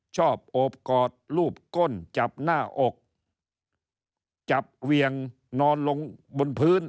โอบกอดรูปก้นจับหน้าอกจับเวียงนอนลงบนพื้น